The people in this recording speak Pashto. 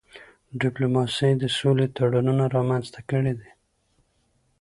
ډيپلوماسی د سولي تړونونه رامنځته کړي دي.